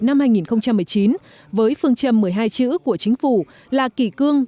năm hai nghìn một mươi chín với phương châm một mươi hai chữ của chính phủ là kỳ cương